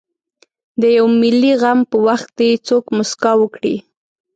د یوه ملي غم په وخت دې څوک مسکا وکړي.